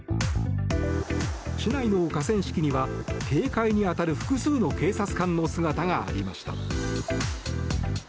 市内の河川敷には警戒に当たる複数の警察官の姿がありました。